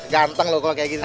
ganteng loh kalau kayak gini